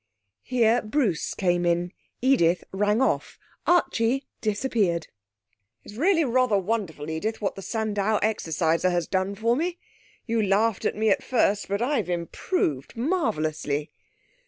Here Bruce came in. Edith rang off. Archie disappeared. 'It's really rather wonderful, Edith, what that Sandow exerciser has done for me! You laughed at me at first, but I've improved marvellously.'